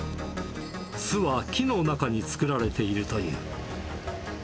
巣は木の中に作られているという。